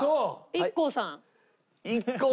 ＩＫＫＯさん。